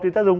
thì ta dùng